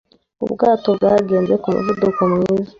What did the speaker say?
Ubwato bwagenze ku muvuduko mwiza.